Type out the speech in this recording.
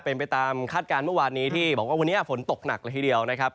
เป็นไปตามคาดการณ์เมื่อวานนี้ที่บอกว่าวันนี้ฝนตกหนักละทีเดียวนะครับ